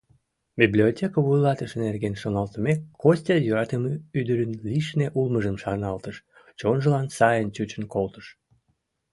Библиотека вуйлатыше нерген шоналтымек, Костя йӧратыме ӱдырын лишне улмыжым шарналтыш, чонжылан сайын чучын колтыш.